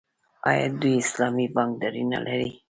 آیا دوی اسلامي بانکداري نلري؟